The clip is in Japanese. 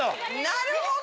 なるほど！